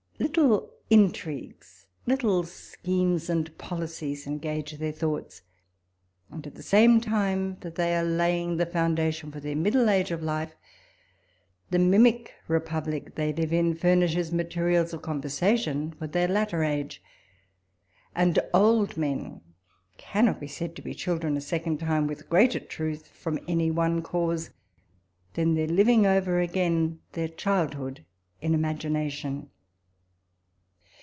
Little intrigues, little schemes, and policies engage their thoughts ; and, at the same time that they are laying the 18 walpole's letters. foundation for their middle age of life, the mimic republic they live in furnishes materials of conversation for their latter age ; and old men cannot be said to be children a second time with greater truth from any one cause, than their living over again their childhood in imagina tion.